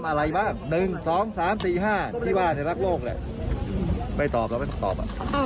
อะไรบ้างด้วยพิธีการไหมรักโลกด้วยก็ไม่ตอบไม่ตอบ